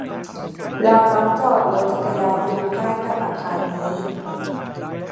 เรามักจอดรถจักรยานยนต์ใกล้กับอาคารนี้